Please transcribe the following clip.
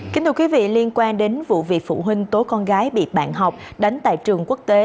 kính thưa quý vị liên quan đến vụ việc phụ huynh tố con gái bị bạn học đánh tại trường quốc tế